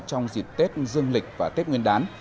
trong dịp tết dương lịch và tết nguyên đán